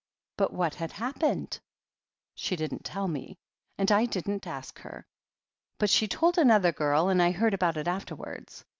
"But what had happened?" "She didn't tell me, and I didn't ask her. But she told another girl, and I heard about it afterwards.